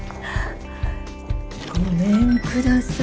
ごめんください。